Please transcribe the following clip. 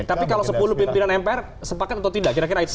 tapi kalau sepuluh pimpinan mpr sepakat atau tidak kira kira